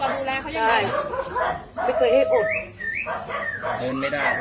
เดินไม่ได้ก็พยายาม